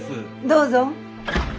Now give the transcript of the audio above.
どうぞ。